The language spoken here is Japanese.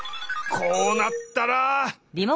こうなったら。